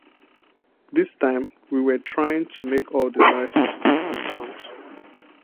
This time we were trying to make all the noises fit the songs.